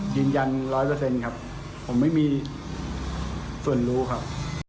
ยืนยันร้อยเปอร์เซ็นต์ครับผมไม่มีส่วนรู้ครับ